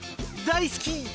大好き！